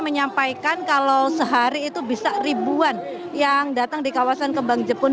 menyampaikan kalau sehari hari ini ada yang mau datang ke kembang jepun